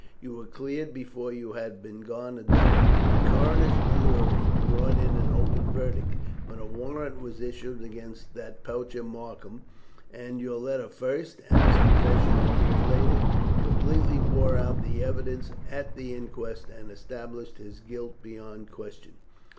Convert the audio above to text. "You were cleared before you had been gone a day. The coroner's jury brought in an open verdict, but a warrant was issued against that poacher Markham; and your letter first, and his confession a year later, completely bore out the evidence at the inquest, and established his guilt beyond question."